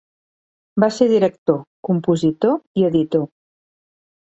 Va ser director, compositor i editor.